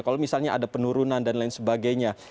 kalau misalnya ada penurunan dan lain sebagainya